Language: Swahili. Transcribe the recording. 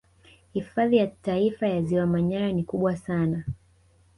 Hifadhi ya Taifa ya ziwa Manyara ni kubwa sana